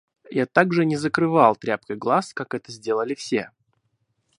Я также не закрывал тряпкой глаз, как это сделали все.